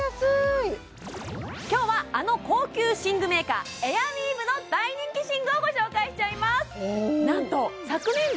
今日はあの高級寝具メーカーエアウィーヴの大人気寝具をご紹介しちゃいます